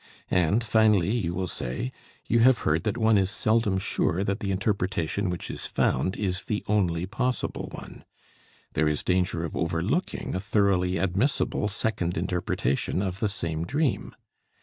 And finally you will say, you have heard that one is seldom sure that the interpretation which is found is the only possible one. There is danger of overlooking a thoroughly admissible second interpretation of the same dream.